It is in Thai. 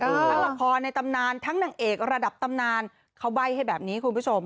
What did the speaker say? ทั้งละครในตำนานทั้งนางเอกระดับตำนานเขาใบ้ให้แบบนี้คุณผู้ชม